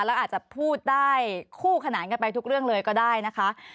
แล้วอาจจะพูดได้คู่ขนานกันไปทุกเรื่องเลยก็ได้นะคะ